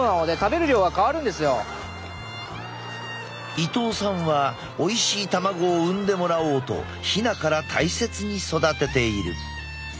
伊藤さんはおいしい卵を産んでもらおうとヒナから大切に育てている。